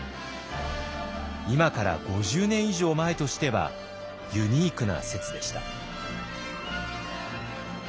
今から５０年以上前としてはユニークな説でした。